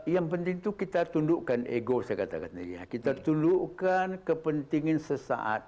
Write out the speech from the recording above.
yang penting itu kita tundukkan ego saya kata kata tadi ya kita tundukkan kepentingan sesaat